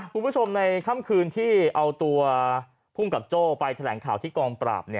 คุณผู้ชมในค่ำคืนที่เอาตัวภูมิกับโจ้ไปแถลงข่าวที่กองปราบ